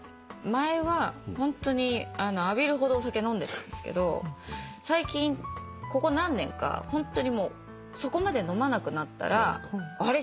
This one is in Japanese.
前はホントに浴びるほどお酒飲んでたんですけど最近ここ何年かホントにもうそこまで飲まなくなったらあれ？